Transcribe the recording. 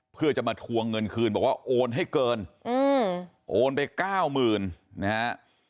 เพื่อจะมาทวงเงินคืนบอกว่าโอนให้เกินโอนไปเก้าหมื่นนะฮะ